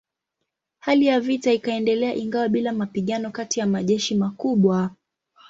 Hali ya vita ikaendelea ingawa bila mapigano kati ya majeshi makubwa.